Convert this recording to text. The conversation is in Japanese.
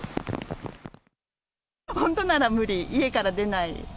本当なら無理、家から出ない。